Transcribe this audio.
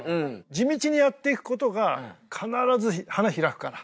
地道にやっていくことが必ず花開くから。